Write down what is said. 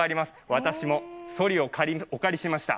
私も、そりをお借りしました。